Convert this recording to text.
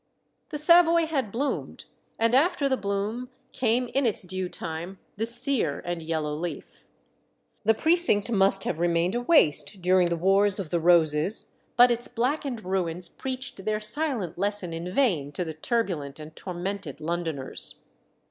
The Savoy had bloomed, and after the bloom came in its due time the "sere and yellow leaf." The precinct must have remained a waste during the Wars of the Roses; but its blackened ruins preached their silent lesson in vain to the turbulent and tormented Londoners.